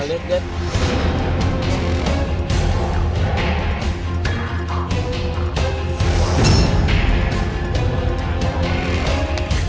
gak liat gak